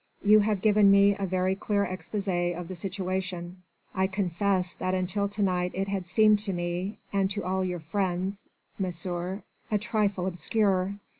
You have given me a very clear exposé of the situation. I confess that until to night it had seemed to me and to all your friends, Monsieur, a trifle obscure.